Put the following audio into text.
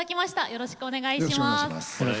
よろしくお願いします。